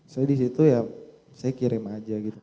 saya di situ ya saya kirim aja gitu